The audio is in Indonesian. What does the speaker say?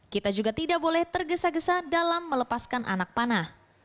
kita juga tidak boleh tergesa gesa dalam melepaskan anak panah